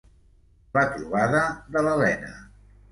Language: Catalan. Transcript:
La trobada de l'Elena.